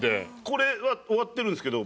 これは終わってるんですけど